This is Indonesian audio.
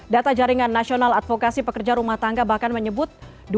data jaringan nasional advokasi pekerja rumah tangga bahkan menyebut